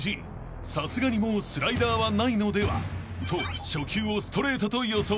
［さすがにもうスライダーはないのでは？と初球をストレートと予想］